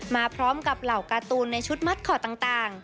มาพร้อมกับเหล่าการ์ตูนในชุดมัดคอร์ดต่าง